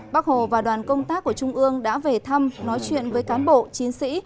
bắc hồ và đoàn công tác của trung ương đã về thăm nói chuyện với cán bộ chiến sĩ